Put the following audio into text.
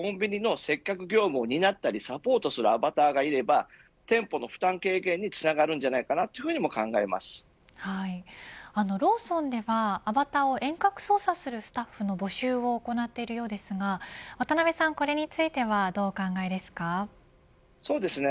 そこでコンビニの接客業務を担ったりサポートするアバターがいれば店舗の負担軽減にローソンではアバターを遠隔操作するスタッフの募集を行っているようですが渡辺さん、これについてはどうお考えですか。